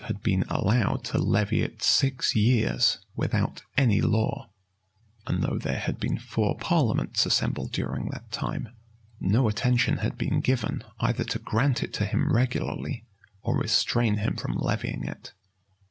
had been allowed to levy it six years, without any law; and though there had been four parliaments assembled during that time, no attention had been given either to grant it to him regularly, or restrain him from levying it.